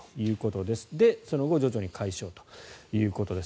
で、その後徐々に解消ということです。